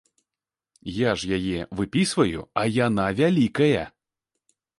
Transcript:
Я ж яе выпісваю, а яна вялікая!